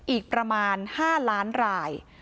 อีกประมาณ๕ล้านราย